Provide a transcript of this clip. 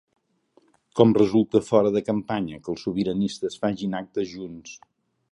Com resulta fora de campanya que els sobiranistes facin actes junts?